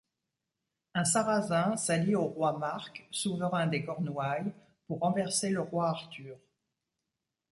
Un Sarrasin s'allie au roi Marc, souverain des Cornouailles, pour renverser le roi Arthur.